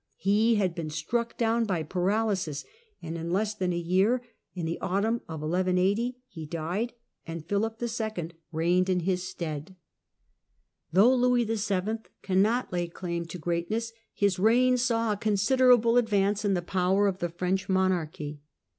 He had been struck down by paralysis, and in less than a year, in the autumn of 1180, he died, and Philip 11. reigned in his stead. Though Louis VII. cannot lay claim to greatness, his reign saw a considerable advance in the power of the French monarchy.